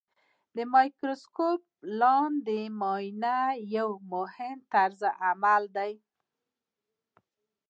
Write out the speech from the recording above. د مایکروسکوپ لاندې معاینه یو مهم طرزالعمل دی.